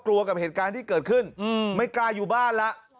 กับเหตุการณ์ที่เกิดขึ้นไม่กล้าอยู่บ้านแล้ว